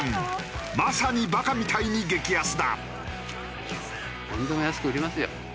まさにバカみたいに激安だ。